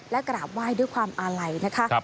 และกราบไหว้ด้วยความอาลัยนะคะ